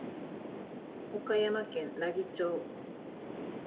岡山県奈義町